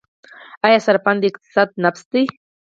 آیا صرافان د اقتصاد نبض دي؟